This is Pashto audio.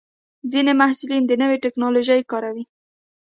ځینې محصلین د نوې ټکنالوژۍ کاروي.